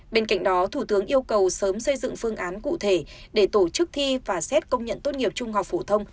bên cạnh đó thủ tướng yêu cầu sớm xây dựng phương án cụ thể để tổ chức thi và xét công nhận tốt nghiệp trung học phổ thông